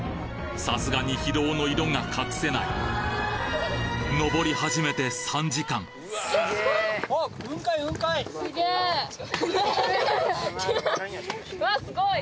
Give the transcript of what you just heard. さすがに疲労の色が隠せない登り始めて３時間・わすごい！